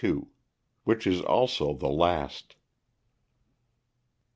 _Which Is also The Last.